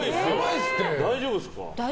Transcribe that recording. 大丈夫ですか？